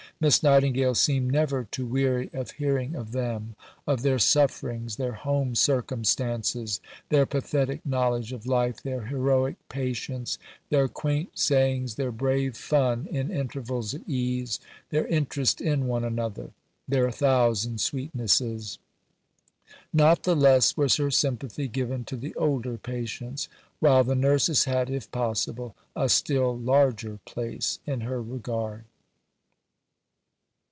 Miss Nightingale seemed never to weary of hearing of them; of their sufferings, their home circumstances, their pathetic knowledge of life, their heroic patience, their quaint sayings, their brave fun in intervals of ease, their interest in one another, their thousand sweetnesses. Not the less was her sympathy given to the older patients, while the Nurses had, if possible, a still larger place in her regard."